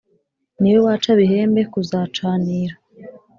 Ni we waca Bihembe kuzacanira.